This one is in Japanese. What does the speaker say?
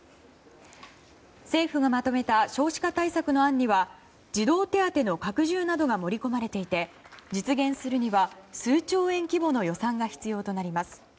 政府がまとめた少子化対策の案には児童手当の拡充などが盛り込まれていて実現するには、数兆円規模の予算が必要となります。